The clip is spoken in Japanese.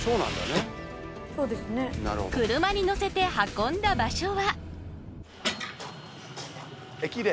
車にのせて運んだ場所は駅で？